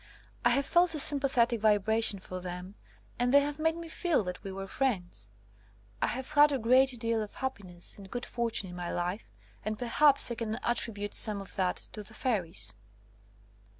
I have felt a symx)athetic vi bration for them and they have made me feel that we were friends. I have had a great deal of happiness and good fortune in my life, and perhaps I can attribute some of that to the fairies.''